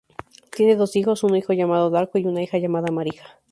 Tiene dos hijos, un hijo llamado Darko y una hija llamada Marija.